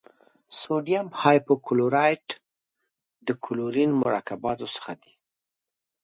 سوډیم هایپو کلورایټ د کلورین مرکباتو څخه دی.